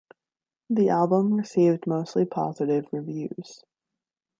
The album received mostly positive reviews.